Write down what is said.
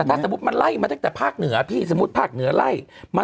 ถ้าสมมุติมันไล่มาตั้งแต่ภาคเหนือพี่สมมุติภาคเหนือไล่มา